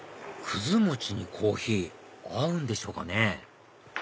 もちにコーヒー合うんでしょうかね？